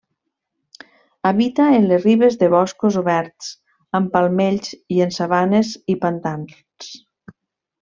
Habita en les ribes de boscos oberts amb palmells i en sabanes i pantans.